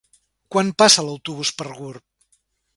Quan passa l'autobús per Gurb?